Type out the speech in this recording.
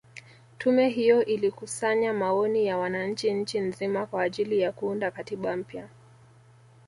Tume hiyo ilikusanya maoni ya wananchi nchi nzima kwa ajili ya kuunda katiba mpya